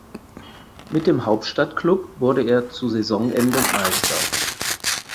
Mit dem Hauptstadtklub wurde er zu Saisonende Meister.